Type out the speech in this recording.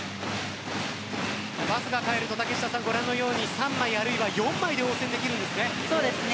パスが返るとご覧のように３枚あるいは４枚で応戦できるんですね。